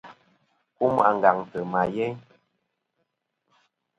Kum àngaŋtɨ ma yeyn.